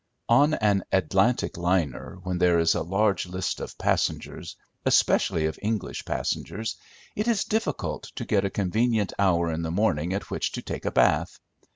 On an Atlantic liner, when there is a large list of passengers, especially of English passengers, it is difficult to get a convenient hour in the morning at which to take a bath.